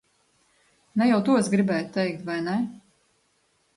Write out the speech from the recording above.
Ne jau to es gribēju teikt, vai ne?